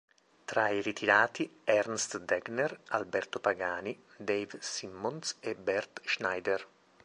Tra i ritirati Ernst Degner, Alberto Pagani, Dave Simmonds e Bert Schneider.